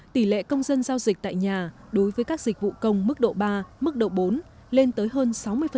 tỷ lệ công dân giao dịch tại nhà đối với các dịch vụ công mức độ ba mức độ bốn lên tới hơn sáu mươi